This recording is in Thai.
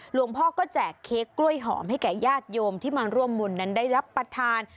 หลวงพ่อก็แจกเค้กกล้วยหอมให้แก่ญาติโยมที่มาร่วมบุญนั้นได้รับประทาน